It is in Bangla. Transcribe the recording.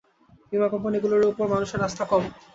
বিমা কোম্পানিগুলোর ওপর মানুষের আস্থা কম।